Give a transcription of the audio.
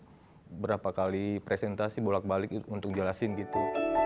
jadi kita bisa berulang ulang kali presentasi bolak balik untuk jelasin gitu